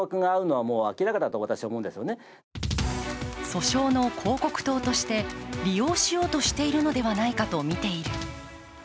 訴訟の広告塔として利用しようとしているのではないかとみている。